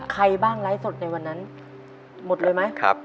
ใครบ้างไร้สดในวันนั้นหมดเลยไหมครับ